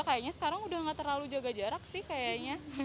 kayaknya sekarang udah gak terlalu jaga jarak sih kayaknya